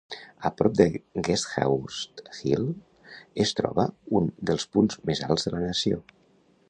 A prop de Guesthouse Hill es troba un dels punts més alts de la nació.